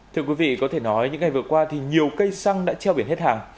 thưa quý vị có thể nói những ngày vừa qua thì nhiều cây xăng đã treo biển hết hàng